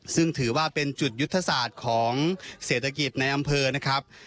ซึ่งถือว่าเป็นจุดยุทธศาสตร์ของเศรษฐกิจในอำเภอนะครับ